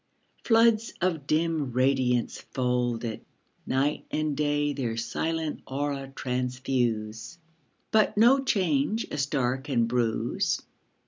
Floods of dim radiance fold it ; Night and day their silent aura transfuse, But no change a star oan bruise.